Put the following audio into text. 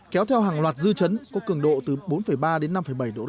kéo theo hàng loạt dư chấn có cường độ từ bốn ba đến năm bảy độ ri